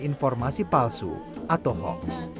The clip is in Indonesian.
informasi palsu atau hoax